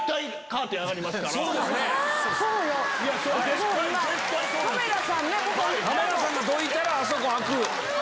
カメラさんがどいたらあそこ開く。